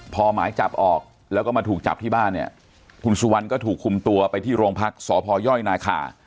พอหมายจับออกแล้วก็มาถูกจับที่บ้านเนี่ยคุณสุวรรณก็ถูกคุมตัวไปที่โรงพักษพยนาคา